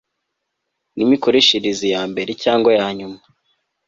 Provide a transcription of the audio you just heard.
n imikoreshereze ya mbere cyangwa yanyuma